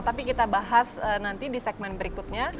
tapi kita bahas nanti di segmen berikutnya